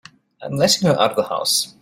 I'm letting her out of the house.